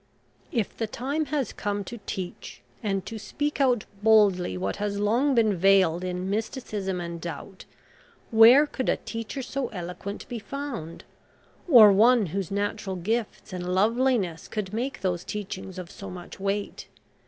If the time has come to teach, and to speak out boldly what has long been veiled in mysticism and doubt, where could a teacher so eloquent be found, or one whose natural gifts and loveliness could make those teachings of so much weight?